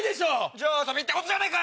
じゃあ遊びってことじゃねえか！